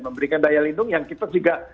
memberikan daya lindung yang kita juga